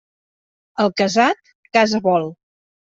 El casat, casa vol.